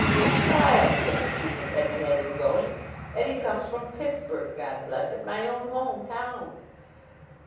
A child could have seen that Eddie had him going. Eddie comes from Pittsburgh God bless it! My own home town!"